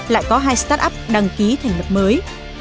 lại có hai start up đăng ký thành lập mới